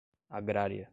agrária